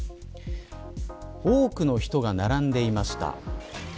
多くの人が並んでいました。